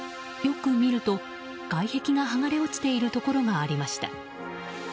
よく見ると、外壁が剥がれ落ちているところがありました。